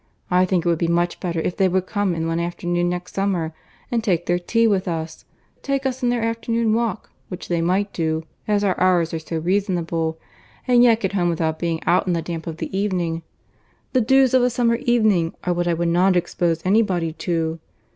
I think it would be much better if they would come in one afternoon next summer, and take their tea with us—take us in their afternoon walk; which they might do, as our hours are so reasonable, and yet get home without being out in the damp of the evening. The dews of a summer evening are what I would not expose any body to.